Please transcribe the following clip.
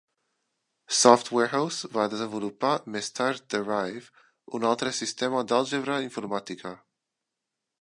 Soft Warehouse va desenvolupar més tard Derive, un altre sistema d'àlgebra informàtica.